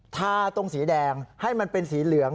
ทาตรงสีแดงให้มันเป็นสีเหลือง